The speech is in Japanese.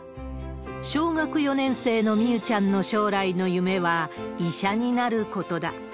小学４年生のみゆちゃんの将来の夢は、医者になることだ。